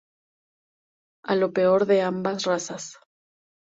A lo peor de ambas razas.